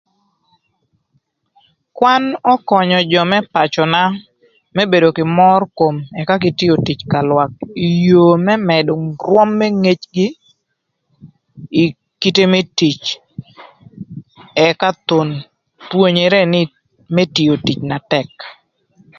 Kwan ökönyö jö më pacöna më bedo kï mör kom ëka kï tio tic ka lwak ï yoo më mëdö rwöm më ngecgï ï kite më tic ëka thon pwonyere më tio tic na tëk.